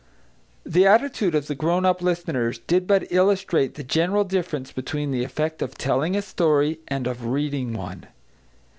The attitude of the grown up listeners did but illustrate the general difference between the effect of telling a story and of reading one.